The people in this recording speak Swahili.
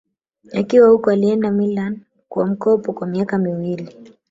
Akiwa huko alienda Milan kwa mkopo kwa miaka miwili